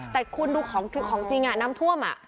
แต่คุณดูของจริงน้ำท่วม